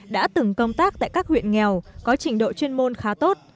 đã từng công tác tại các huyện nghèo có trình độ chuyên môn khá tốt